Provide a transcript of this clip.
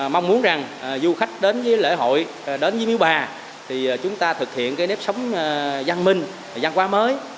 mong muốn rằng du khách đến với lễ hội đến với miếu bà thì chúng ta thực hiện cái nếp sống văn minh văn hóa mới